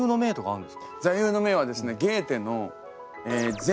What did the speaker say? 座右の銘はですね